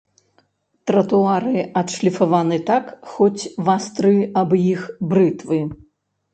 Тратуары адшліфаваны так, хоць вастры аб іх брытвы.